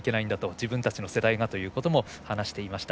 自分たちの世代がということも話していました。